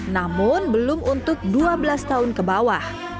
namun belum untuk dua belas tahun ke bawah